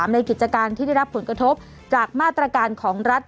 ในกิจการที่ได้รับผลกระทบจากมาตรการของรัฐ